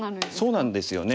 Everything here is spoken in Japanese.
そうなんですよね